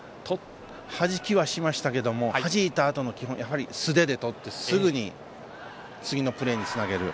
はじきはしましたけどもはじいたあとの基本素手でとってすぐに次のプレーにつなげる。